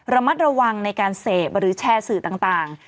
ระมัดระวังในการเสพหรือแชร์สื่อต่าง